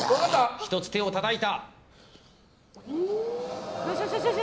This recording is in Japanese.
１つ、手をたたいた！